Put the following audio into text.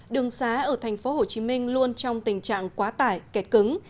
đường xá ở thành phố hồ chí minh luôn trong tình trạng quá tải kẹt cứng